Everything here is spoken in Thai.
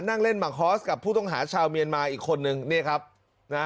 ก็เรียกร้องให้ตำรวจดำเนอคดีให้ถึงที่สุดนะ